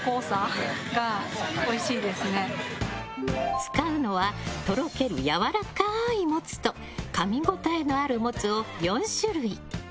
使うのはとろけるやわらかいモツとかみ応えのあるモツを４種類。